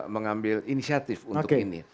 mengambil inisiatif untuk ini